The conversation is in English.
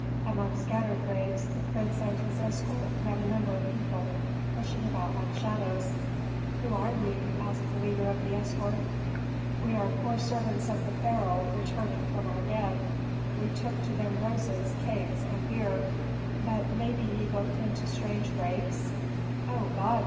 Among scattered graves, the prince and his escort met a number of people, pushing about like shadows. "Who are ye?" asked the leader of the escort. "We are poor servants of the pharaoh returning from our dead. We took to them roses, cakes, and beer." "But maybe ye looked into strange graves?" "O gods!"